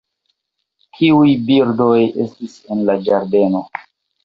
Kiuj birdoj estis en la ĝardeno?